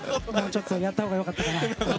ちょっとやったほうが良かったかな。